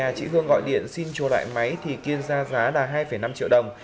nhà chị hương gọi điện xin chùa lại máy thì kiên ra giá là hai năm triệu đồng